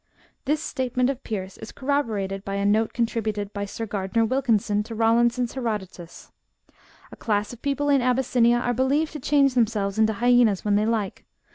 This state ment of Pierce is corroborated by a note contributed b\ Sir Gardner Wilkinson to Rawlinson's Herodotus (book iv. chap. 105). " A class of people in Abyssinia are believed to change themselves into hyaenas when they like.